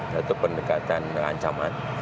satu pendekatan ancaman